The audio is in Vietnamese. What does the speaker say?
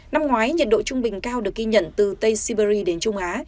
năm ngoái nhiệt độ trung bình cao được ghi nhận từ tây siberia đến trung á